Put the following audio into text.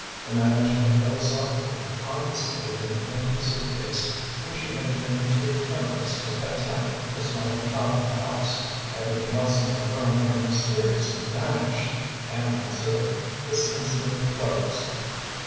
The management philosophically confiscated an empty suit case which she had been too timorous to attempt to smuggle out of the house everything else in her room had mysteriously vanished and considered the incident closed.